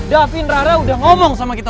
davin rara udah ngomong sama kita